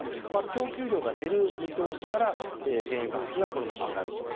供給量が減る見通しから原油価格が上がると。